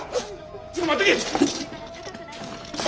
ちょっと待っとけ！